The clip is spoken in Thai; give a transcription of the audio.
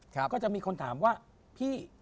ก็จะมีคนถามว่าพี่